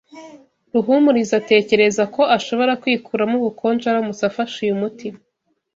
Ruhumuriza atekereza ko ashobora kwikuramo ubukonje aramutse afashe uyu muti.